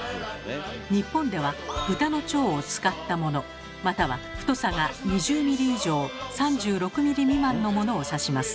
日本では豚の腸を使ったものまたは太さが２０ｍｍ以上３６ｍｍ未満のものを指します。